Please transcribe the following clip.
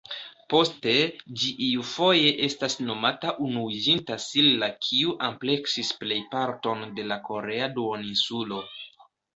Poste, ĝi iufoje estas nomata Unuiĝinta Silla kiu ampleksis plejparton de la korea duoninsulo.